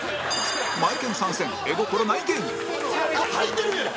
マエケン参戦絵心ない芸人はいてるやん！